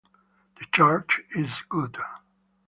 The church is good.